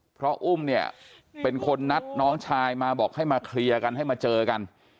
เพราะอุ้มเนี่ยเป็นคนนัดน้องชายมาบอกให้มาเคลียร์กันให้มาเจอกัน